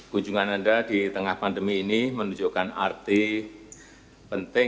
kunjungan anda di tengah pandemi ini menunjukkan arti penting